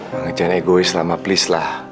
jangan egois ma please lah